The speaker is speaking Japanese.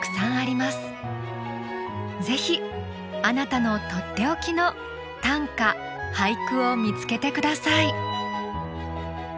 ぜひあなたのとっておきの短歌・俳句を見つけて下さい。